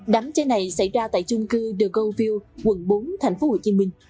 đám cháy này xảy ra tại chung cư the goldfield quận bốn tp hcm